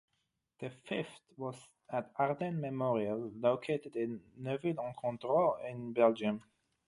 The fifth was at Ardennes Memorial located in Neuville-en-Condroz in Belgium.